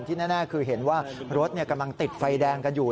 แน่คือเห็นว่ารถกำลังติดไฟแดงกันอยู่